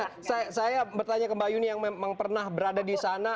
nah saya bertanya ke mbak yuni yang memang pernah berada di sana